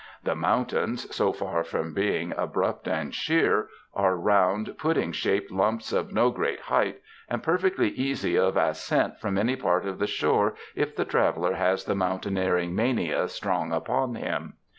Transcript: The '' mountains,^ so far from being '' abrupt ^ and '' sheer,^ are round, pudding shaped lumps of no great height, and perfectly easy of ascent from any part of the shore if the traveller has the mountaineering mania strong upon him.